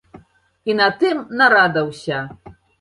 І на тым нарада ўся.